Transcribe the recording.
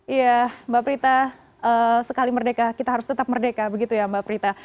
iya mbak prita sekali merdeka kita harus tetap merdeka begitu ya mbak prita